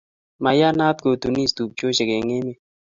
Miyanat kutunis tupchosiek eng' emet